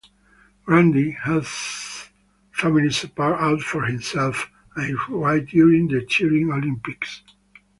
Grandi had family support out for himself and his wife during the Turin Olympics.